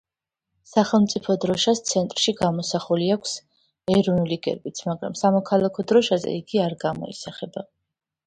სახელმწიფო დროშას ცენტრში გამოსახული აქვს ეროვნული გერბიც, მაგრამ სამოქალაქო დროშაზე იგი არ გამოისახება.